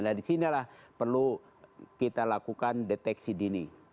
nah disinilah perlu kita lakukan deteksi dini